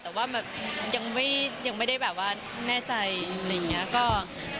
แต่ว่าแบบยังไม่ได้แบบว่าแน่ใจอะไรอย่างนี้